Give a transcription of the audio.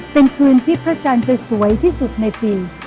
เป็นคืนที่พระจันทร์จะสวยที่สุดในปี